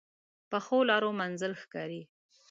پخو لارو منزل ښکاري